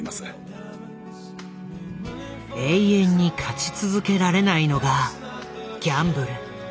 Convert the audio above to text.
永遠に勝ち続けられないのがギャンブル。